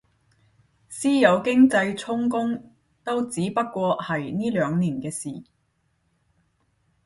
私有經濟充公都只不過係呢兩年嘅事